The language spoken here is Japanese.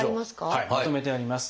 はいまとめてあります。